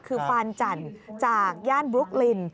คือฟานจันจากย่านบรุ๊คลิน